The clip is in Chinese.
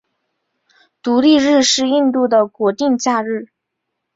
独立日是印度的国定假日。